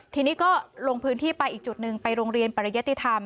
ทีนี้ก็ลงพื้นที่ไปอีกจุดหนึ่งไปโรงเรียนปริยติธรรม